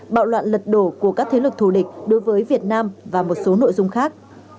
bạo loạn lật đổ của các thế lực thù địch đối với việt nam và một số nội dung khác